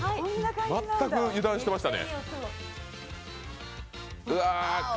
全く油断してましたね。